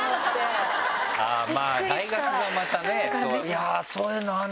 いやぁそういうのあるんだね！